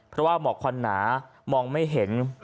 เพราะว่าหมอกควันหนามองไม่เห็น